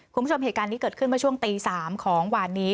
คุณผู้ชมเหตุการณ์นี้เกิดขึ้นเมื่อช่วงตี๓ของหวานนี้